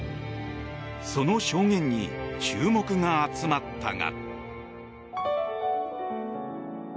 その証言に注目が集まったが。